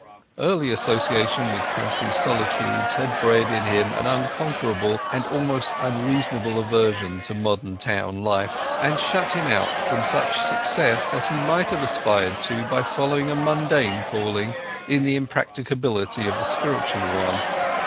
Early association with country solitudes had bred in him an unconquerable, and almost unreasonable, aversion to modern town life, and shut him out from such success as he might have aspired to by following a mundane calling in the impracticability of the spiritual one.